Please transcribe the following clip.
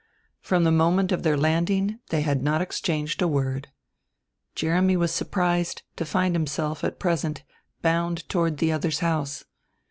From the moment of their landing they had not exchanged a word. Jeremy was surprised to find himself at present bound toward the other's house.